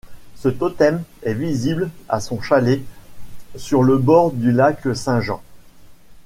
Ce totem est visible à son chalet sur le bord du lac Saint-Jean.